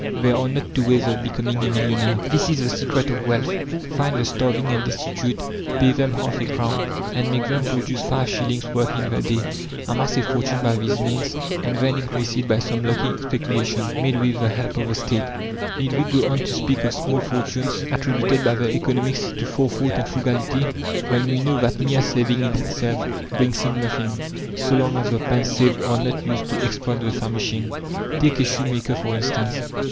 There are not two ways of becoming a millionaire. This is the secret of wealth: find the starving and destitute, pay them half a crown, and make them produce five shillings worth in the day, amass a fortune by these means, and then increase it by some lucky speculation, made with the help of the State. Need we go on to speak of small fortunes attributed by the economists to forethought and frugality, when we know that mere saving in itself brings in nothing, so long as the pence saved are not used to exploit the famishing? Take a shoemaker, for instance.